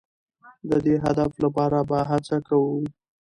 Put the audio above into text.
د دې هدف لپاره به هڅه کوو.